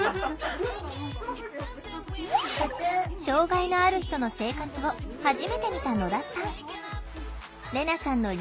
障害のある人の生活を初めて見た野田さん。